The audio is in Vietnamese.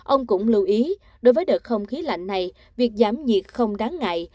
ông cũng lưu ý đối với đợt không khí lạnh này việc giảm nhiệt không đáng ngại